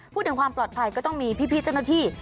พูดถึงความปลอดภัยก็ต้องมีพี่เจ้าหน้าที่